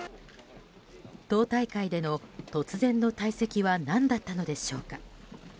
党大会での突然の退席は何だったのでしょうか。